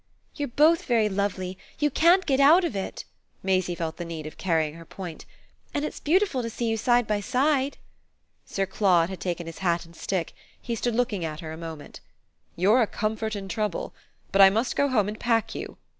"You're both very lovely; you can't get out of it!" Maisie felt the need of carrying her point. "And it's beautiful to see you side by side." Sir Claude had taken his hat and stick; he stood looking at her a moment. "You're a comfort in trouble! But I must go home and pack you."